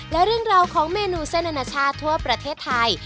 และเรื่องราวของเมนูเส้นอนาชาติทั่วประเทศไทย